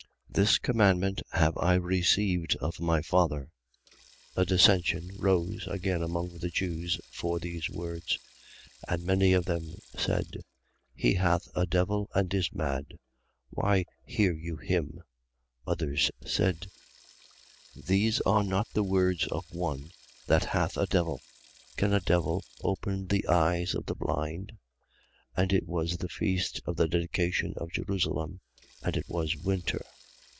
This commandment have I received of my Father. 10:19. A dissension rose again among the Jews for these words. 10:20. And many of them said: He hath a devil and is mad. Why hear you him? 10:21. Others said: These are not the words of one that hath a devil. Can a devil open the eyes of the blind? 10:22. And it was the feast of the dedication at Jerusalem: and it was winter.